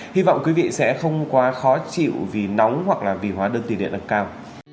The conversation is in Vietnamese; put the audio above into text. hy vọng quý vị sẽ không quá khó chịu vì nóng hoặc là vì hóa đơn tiền điện tăng cao